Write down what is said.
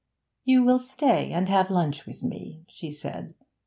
'You will stay and have lunch with me,' she said.